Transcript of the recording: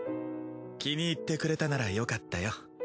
気に入ってくれたならよかったよ。